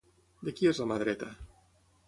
De qui és la mà dreta?